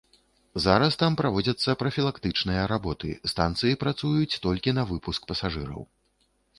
Зараз там праводзяцца прафілактычныя работы, станцыі працуюць толькі на выпуск пасажыраў.